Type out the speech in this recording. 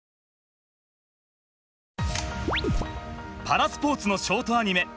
パラスポーツのショートアニメ